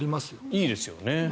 いいですよね。